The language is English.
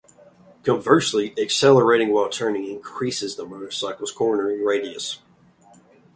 Conversely, accelerating while turning increases the motorcycles cornering radius.